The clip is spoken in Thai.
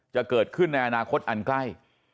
จะเกิดขึ้นในอนาคตอันใกล้